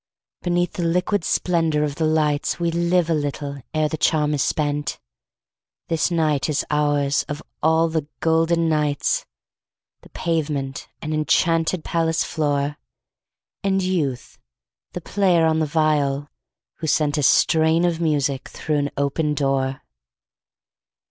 Beneath the liquid splendor of the lights We live a little ere the charm is spent; This night is ours, of all the golden nights, The pavement an enchanted palace floor, And Youth the player on the viol, who sent A strain of music through an open door.